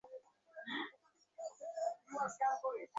আখেরে মন হইতেই সকল শক্তির উদ্ভব।